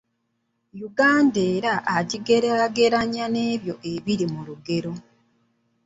Uganda era agigeraageranye n’ebyo ebiri mu lugero.